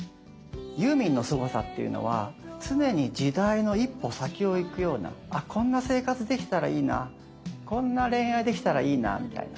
ユーミンのすごさっていうのは常に時代の一歩先を行くようなあこんな生活できたらいいなこんな恋愛できたらいいなみたいな